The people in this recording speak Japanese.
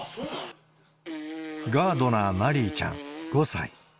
ガードナーまりいちゃん５歳。